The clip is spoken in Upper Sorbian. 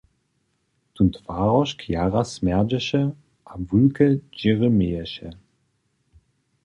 Tón twarožk jara smjerdźeše a wulke dźěry měješe.